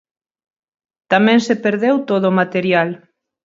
Tamén se perdeu todo o material.